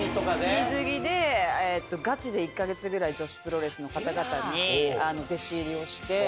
水着で、ガチで１か月ぐらい女子プロレスの方々に弟子入りをして。